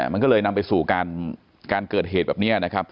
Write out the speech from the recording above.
มันก็เลยนำไปสู่การเกิดเหตุแบบนี้นะครับ